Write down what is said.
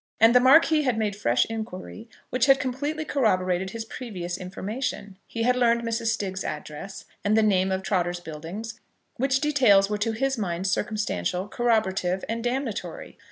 And the Marquis had made fresh inquiry which had completely corroborated his previous information. He had learned Mrs. Stiggs's address, and the name of Trotter's Buildings, which details were to his mind circumstantial, corroborative, and damnatory.